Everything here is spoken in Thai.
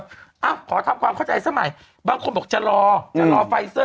อ่ะขอทำความเข้าใจซะใหม่บางคนบอกจะรอจะรอไฟเซอร์